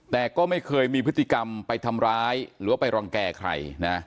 แต่ก็ไม่เคยมีพฤติกรรมไปทำร้ายหรือว่าไปรังแก่ใครนะ